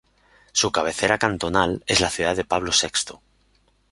Su cabecera cantonal es la ciudad de Pablo Sexto.